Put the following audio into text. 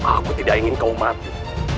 aku tidak ingin kau mati